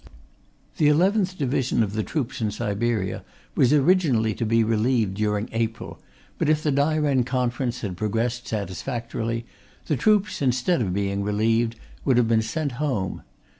The 11th Division of the troops in Siberia was originally to be relieved during April, but if the Dairen Conference had progressed satisfactorily, the troops, instead of being relieved, would have been sent home.